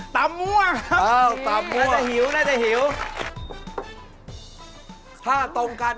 แจ้งนิดแจ้งนิด